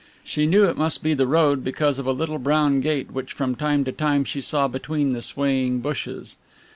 She knew it must be the road because of a little brown gate which from time to time she saw between the swaying bushes.